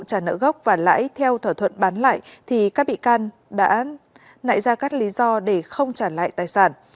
trả nợ gốc và lãi theo thỏa thuận bán lại thì các bị can đã nại ra các lý do để không trả lại tài sản